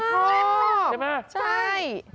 เผือกชอบใช่ไหมใช่ชอบ